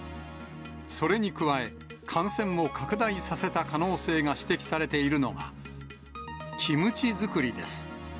それに加え、感染を拡大させた可能性が指摘されているのが、キムチ作りです。